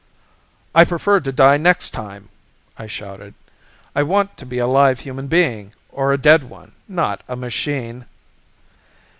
"I prefer to die next time!" I shouted. "I want to be a live human being or a dead one, not a machine."